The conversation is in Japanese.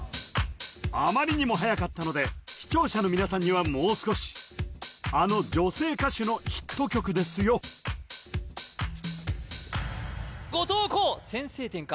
あまりにも早かったので視聴者の皆さんにはもう少しあの女性歌手のヒット曲ですよ後藤弘先制点か？